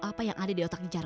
apa yang ada di otak pencarian